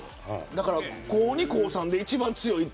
だから高２、高３で一番強い。